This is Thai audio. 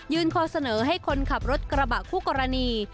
คอเสนอให้คนขับรถกระบะคู่กรณี